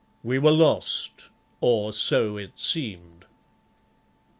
We were lost, or so it seemed.